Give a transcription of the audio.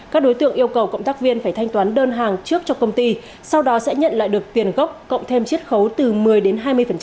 các đối tượng yêu cầu cộng tác viên phải thanh toán đơn hàng trước cho công ty sau đó sẽ nhận lại được tiền gốc cộng thêm chiếc khấu từ một mươi đến hai mươi